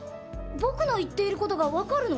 ぼくのいっていることがわかるの？